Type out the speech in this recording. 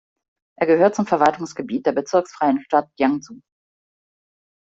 Er gehört zum Verwaltungsgebiet der bezirksfreien Stadt Yangzhou.